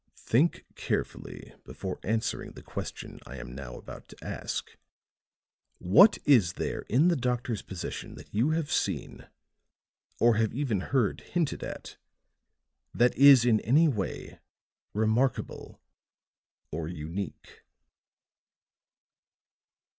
"Think carefully before answering the question I am now about to ask. What is there in the doctor's possession that you have seen, or have even heard hinted at that is in any way remarkable or unique?"